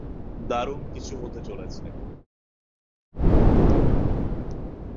দারুণ কিছু হতে চলেছে।